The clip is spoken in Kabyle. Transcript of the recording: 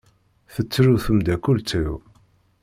Tettru temdakelt-iw.